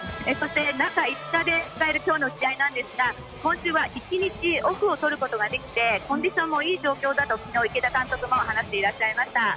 中５日で迎える今日の試合なんですが今週は１日オフをとることができていてコンディションもいい状態だと池田監督も話していらっしゃいました。